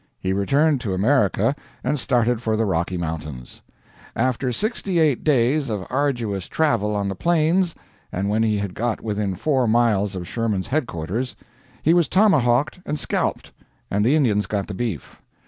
He returned to America and started for the Rocky Mountains. After sixty eight days of arduous travel on the Plains, and when he had got within four miles of Sherman's headquarters, he was tomahawked and scalped, and the Indians got the beef.